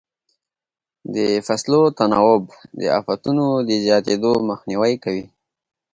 د فصلو تناوب د افتونو د زیاتېدو مخنیوی کوي.